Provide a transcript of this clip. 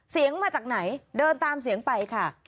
เสียงมาจากไหนเดินตามเสียงไปค่ะ